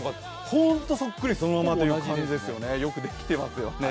本当にそっくりそのままっていう感じよくできていますよね。